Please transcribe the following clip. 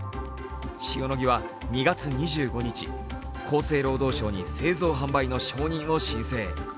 塩野義は２月２５日、厚生労働省に製造販売の承認を申請。